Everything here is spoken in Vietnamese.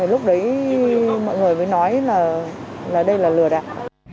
lúc đấy mọi người mới nói là đây là lừa đảo